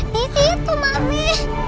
di situ mami